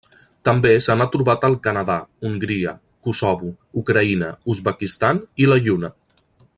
També se n'ha trobat al Canadà, Hongria, Kosovo, Ucraïna, Uzbekistan i la Lluna.